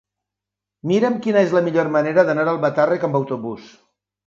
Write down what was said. Mira'm quina és la millor manera d'anar a Albatàrrec amb autobús.